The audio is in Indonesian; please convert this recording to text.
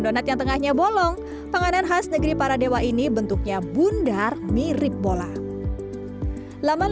donat yang tengahnya bolong panganan khas negeri para dewa ini bentuknya bundar mirip bola laman